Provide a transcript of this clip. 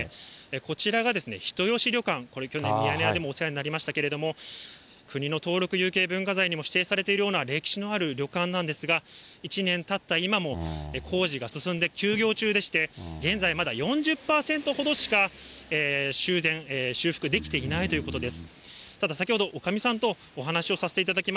こちらが人吉旅館、これ、去年、ミヤネ屋でもお世話になりましたけれども、国の登録有形文化財にも指定されているような歴史のある旅館なんですが、１年たった今も、工事が進んで、休業中でして、現在まだ４０％ほどしか修繕、修復できていないということです。